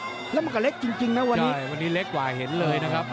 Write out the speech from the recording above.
แล้วมันก็เล็กจริงนะวันนี้วันนี้เล็กกว่าเห็นเลยนะครับ